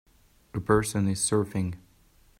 A person is surfing.